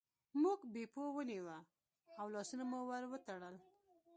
موږ بیپو ونیوه او لاسونه مو ور وتړل.